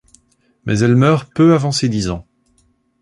Mais elle meurt peu avant ses dix ans.